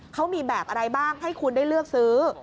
เขามีแบบอะไรบ้างให้คุณได้เลือกซื้อ